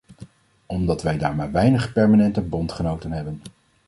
Omdat wij daar maar weinig permanente bondgenoten hebben.